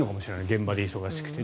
現場で忙しくて。